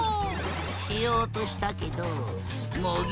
しようとしたけど茂木